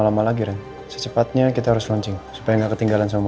kamu semburu banget